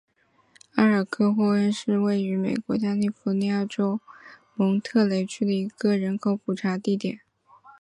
埃尔克霍恩是位于美国加利福尼亚州蒙特雷县的一个人口普查指定地区。